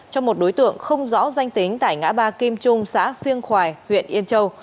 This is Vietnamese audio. cho một đối tượng không rõ danh tính tại ngã ba kim trung xã phiêng khoài huyện yên châu